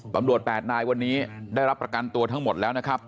๘นายวันนี้ได้รับประกันตัวทั้งหมดแล้วนะครับ